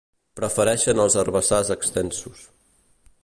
Prefereixen els herbassars extensos.